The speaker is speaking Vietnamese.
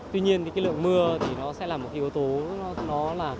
tuy nhiên thì cái lượng mưa thì nó sẽ là một yếu tố